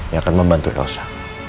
yang akan membantu elsa